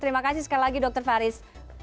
terima kasih sekali lagi dr faris